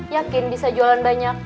yakin bisa jualan banyak